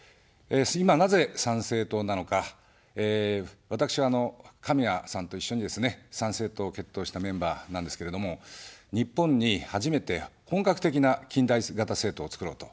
今なぜ参政党なのか、私は神谷さんと一緒にですね、参政党を結党したメンバーなんですけれども、日本に初めて本格的な近代型政党をつくろうと思いました。